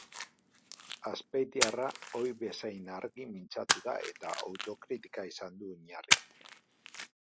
Azpeitiarra ohi bezain argi mintzatu da eta autokritika izan du oinarri.